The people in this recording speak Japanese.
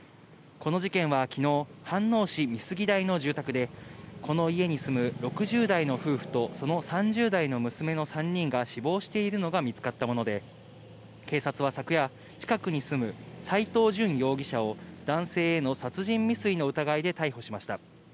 この事件はきのう、飯能市美杉台の住宅で、この家に住む６０代の夫婦とその３０代の娘の３人が死亡しているのが見つかったもので、警察は昨夜、近くに住む斎藤淳容疑者を、男性への殺人未遂の疑いで逮捕しました。